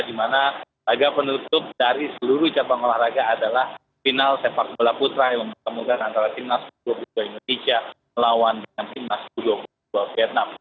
di mana laga penutup dari seluruh cabang olahraga adalah final sepak bola putra yang mempertemukan antara timnas u dua puluh dua indonesia melawan dengan timnas u dua puluh dua vietnam